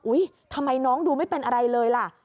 ทำไมน้องดูไม่เป็นอะไรเลยล่ะ